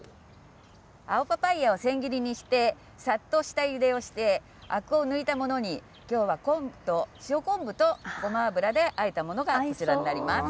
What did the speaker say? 青パパイアを千切りにして、さっと下ゆでをして、あくを抜いたものに、きょうは塩昆布とごま油であえたものがこちらになります。